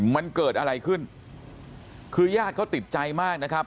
มันเกิดอะไรขึ้นคือญาติเขาติดใจมากนะครับ